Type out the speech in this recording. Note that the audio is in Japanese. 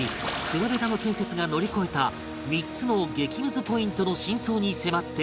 黒部ダム建設が乗り越えた３つの激ムズポイントの真相に迫っていく